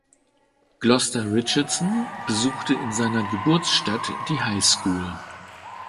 Gloster Richardson besuchte in seiner Geburtsstadt die High School.